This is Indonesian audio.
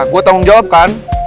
gue tanggung jawab kan